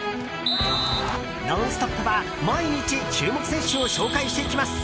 「ノンストップ！」は毎日注目選手を紹介していきます。